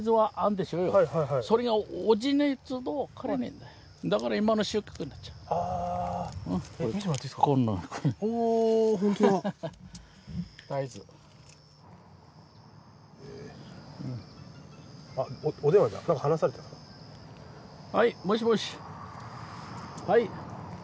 はい！